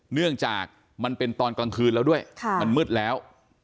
เนื่องจากมันเป็นตอนกลางคืนแล้วด้วยมันมืดแล้ว